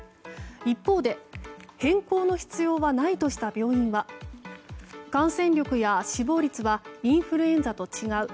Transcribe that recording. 一方で変更の必要はないとした病院は感染力や死亡率はインフルエンザと違う。